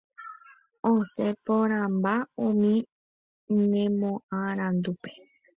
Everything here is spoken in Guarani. Osẽ porãmba umi ñemoarandúpe.